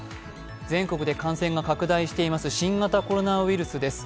全国で感染が拡大しています新型コロナウイルスです。